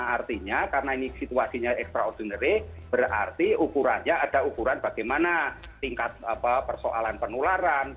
artinya karena ini situasinya extraordinary berarti ukurannya ada ukuran bagaimana tingkat persoalan penularan